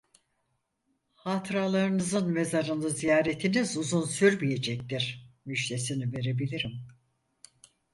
Hatıralarınızın mezarını ziyaretiniz uzun sürmeyecektir, müjdesini verebilirim.